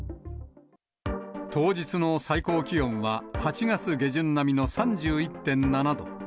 当日の最高気温は、８月下旬並みの３１．７度。